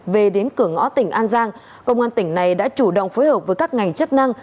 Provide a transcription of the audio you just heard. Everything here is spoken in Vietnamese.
về đến cửa ngõ tỉnh an giang công an tỉnh này đã chủ động phối hợp với các ngành chức năng